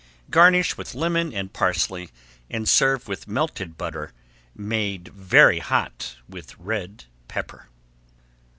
Garnish with lemon and parsley and serve with melted butter, made very hot with red pepper.